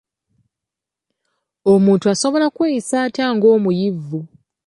Omuntu asobola kweyisa atya ng'omuyivu?